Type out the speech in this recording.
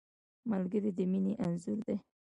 ملګری د مینې انځور دی